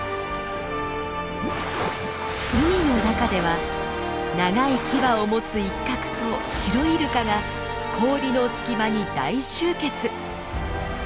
海の中では長い牙を持つイッカクとシロイルカが氷の隙間に大集結。